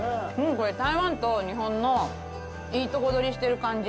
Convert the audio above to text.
これ、台湾と日本のいいとこ取りしてる感じ。